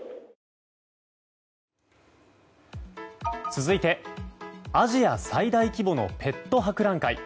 続いてアジア最大規模のペット博覧会。